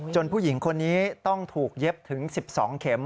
ผู้หญิงคนนี้ต้องถูกเย็บถึง๑๒เข็ม